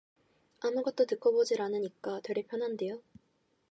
아무것두 듣구 보질 않으니까 되레 편헌데요.